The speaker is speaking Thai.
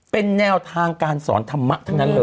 เป็นแนวทางการสอนธรรมะทั้งนั้นเลย